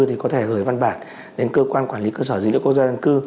thì có thể gửi văn bản đến cơ quan quản lý cơ sở dữ liệu quốc gia dân cư